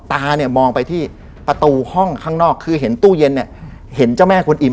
ตาเนี่ยมองไปที่ประตูห้องข้างนอกคือเห็นตู้เย็นเนี่ยเห็นเจ้าแม่กวนอิ่ม